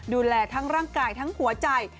ดูแลทั้งร่างกายทั้งหัวใจ